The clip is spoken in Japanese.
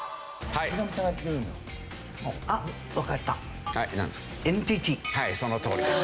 はいそのとおりです。